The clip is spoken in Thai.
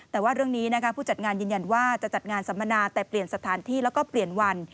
แต่ว่าเรื่องนี้นะคะผู้จัดงานยืนยันว่าจะจัดงานสัมมนาแต่เปลี่ยนสถานที่แล้วก็เปลี่ยนวัน